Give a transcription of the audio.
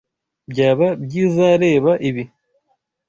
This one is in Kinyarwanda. Byaba byizareba ibi.